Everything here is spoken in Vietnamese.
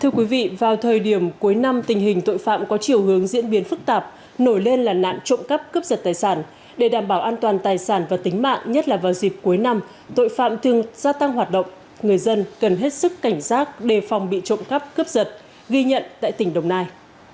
thưa quý vị vào thời điểm cuối năm tình hình tội phạm có chiều hướng diễn biến phức tạp nổi lên là nạn trộm cắp cướp giật tài sản để đảm bảo an toàn tài sản và tính mạng nhất là vào dịp cuối năm tội phạm thường gia tăng hoạt động người dân cần hết sức cảnh giác đề phòng bị trộm cắp cướp giật ghi nhận tại tỉnh đồng nai